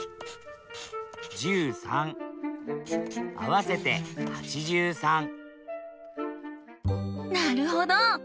合わせて８３なるほど！